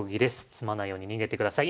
詰まないように逃げてください。